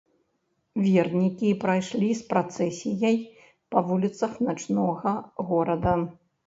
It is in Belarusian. Вернікі прайшлі з працэсіяй па вуліцах начнога горада.